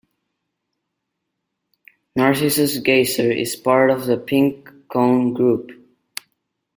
Narcissus Geyser is part of the Pink Cone Group.